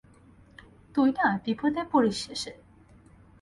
তুই না বিপদে পড়িস শেষে।